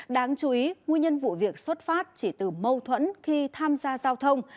đáng chú ý nguyên nhân vụ việc xuất phát chỉ từ mâu thuẫn khi tham gia giao thông